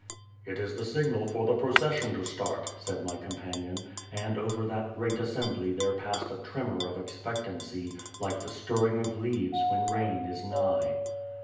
" It is the signal for the procession to start," said my companion ; and over that great assembly there passed a tremor of expectancy, like the stirring of leaves when rain is nigh.